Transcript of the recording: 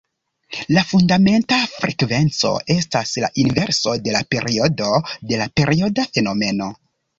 La fundamenta frekvenco estas la inverso de la periodo de la perioda fenomeno.